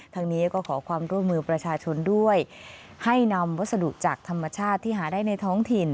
ทางนี้ก็ขอความร่วมมือประชาชนด้วยให้นำวัสดุจากธรรมชาติที่หาได้ในท้องถิ่น